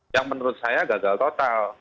yang menurut saya gagal total